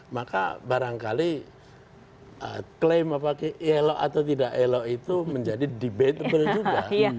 maka barangkali klaim apakah elok atau tidak elok itu menjadi debatable juga